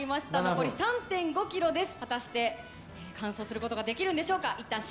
残り３．５ｋｍです。